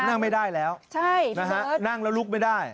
นั่งไม่ได้แล้วนั่งแล้วลุกไม่ได้